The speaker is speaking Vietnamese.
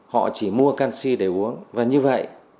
họ chỉ mua canxi để uống và như vậy